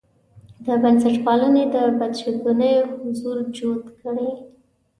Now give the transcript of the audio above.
د بنسټپالنې بدشګونی حضور جوت کړي.